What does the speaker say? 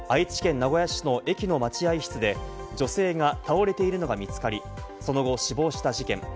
２位、愛知県名古屋市の駅の待合室で女性が倒れているのが見つかり、その後、死亡した事件。